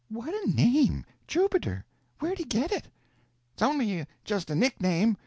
"What a name—Jubiter! Where'd he get it?" "It's only just a nickname.